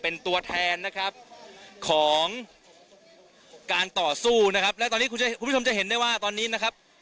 เป็นตัวแทนนะครับของการต่อสู้นะครับและตอนนี้คุณผู้ชมจะเห็นได้ว่าตอนนี้นะครับ